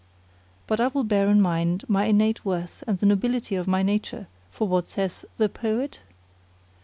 But I will bear in mind my innate worth and the nobility of my nature; for what saith the poet?